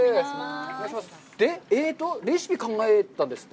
で、レシピ考えたんですって。